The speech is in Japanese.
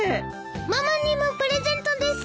ママにもプレゼントです！